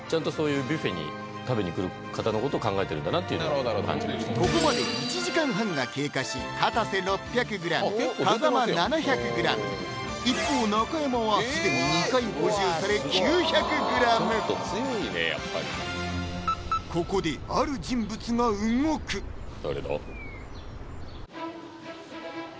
結構ここまで１時間半が経過しかたせ６００ｇ風間７００ｇ一方中山は既に２回補充され９００ｇここである人物が動く誰だ？